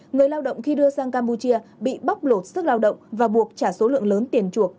người lao động khi đưa sang campuchia bị bóc lột sức lao động và buộc trả số lượng lớn tiền chuộc